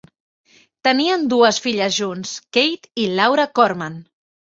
Tenien dues filles junts, Kate i Laura Korman.